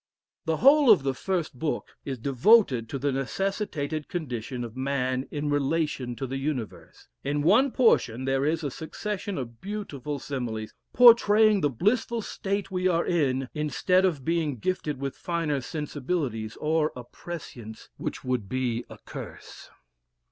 * The whole of the first book is devoted to the necessitated condition of man in relation to the universe. In one portion there is a succession of beautiful similes, portraying the blissful state we are in, instead of being gifted with finer sensibilities, or a prescience, which would be a curse.